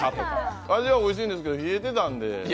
味はおいしいんですが、冷えてたんで。